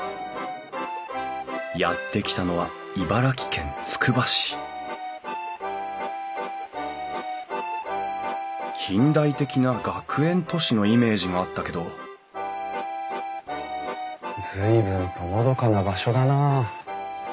やって来たのは茨城県つくば市近代的な学園都市のイメージがあったけど随分とのどかな場所だなあ。